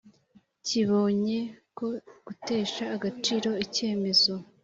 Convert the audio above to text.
kibonye ko gutesha agaciro icyemezo